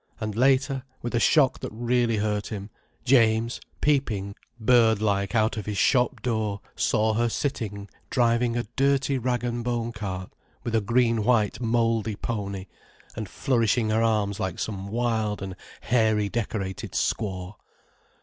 And later, with a shock that really hurt him, James, peeping bird like out of his shop door, saw her sitting driving a dirty rag and bone cart with a green white, mouldy pony, and flourishing her arms like some wild and hairy decorated squaw.